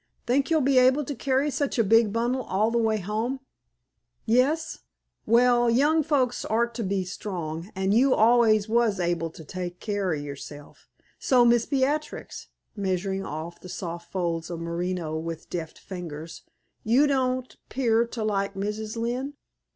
Think you'll be able to carry such a big bundle all the way home? Yes? Waal, young folks orter be strong, and you always was able to take keer o' yourself. So, Miss Beatrix" measuring off the soft folds of merino with deft fingers "you don't 'pear to like Mrs. Lynne?